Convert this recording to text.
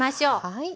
はい。